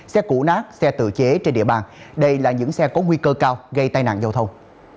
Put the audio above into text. xe củ nát xe tự chế trên địa bàn đây là những xe có nguy cơ cao gây tai nạn giao thông